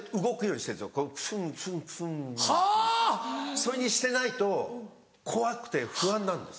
それにしてないと怖くて不安なんです。